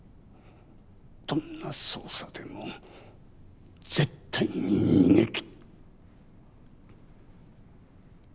どんな捜査でも絶対に逃げき。